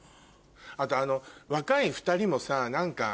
あとあの若い２人もさ何か。